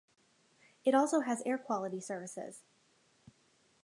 It also has air quality services.